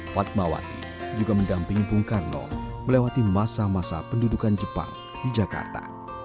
fatmawati juga mendampingi bung karno melewati masa masa pendudukan jepang di jakarta